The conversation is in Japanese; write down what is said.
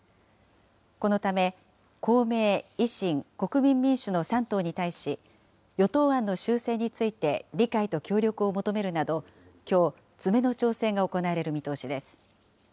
このため、公明、維新、国民民主の３党に対し、与党案の修正について理解と協力を求めるなど、きょう、詰めの調整が行われる見通しです。